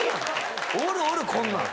おるおるこんなん。